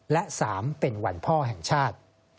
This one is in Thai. และ๓เป็นวันพ่อแห่งชาติ